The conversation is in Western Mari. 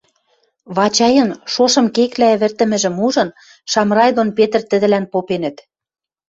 Вачайын шошым кеклӓ ӹвӹртӹмӹжӹм ужын, Шамрай дон Петр тӹдӹлӓн попенӹт: